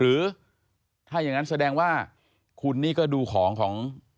หรือถ้าอย่างนั้นแสดงว่าคุณนี่ก็ดูของของ